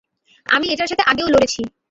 আমি এটার সাথে আগেও লড়েছি।